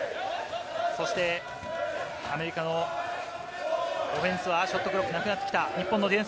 アメリカのオフェンスはまたショットクロックがなくなってきた。